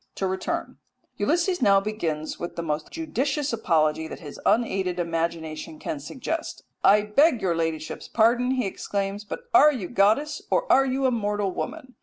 To return Ulysses now begins with the most judicious apology that his unaided imagination can suggest. "I beg your ladyship's pardon," he exclaims, "but are you goddess or are you a mortal woman?